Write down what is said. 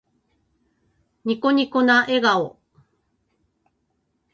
ニコニコな笑顔。